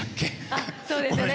あっそうですよね。